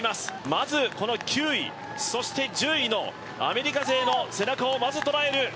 まずこの９位、そして１０位のアメリカ勢の背中を、まず捉える。